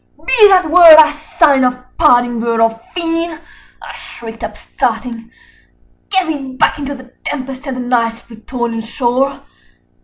"Be that word our sign of parting, bird or fiend!" I shrieked, upstarting: "Get thee back into the tempest and the Night's Plutonian shore!